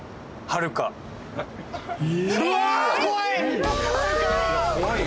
はるかー！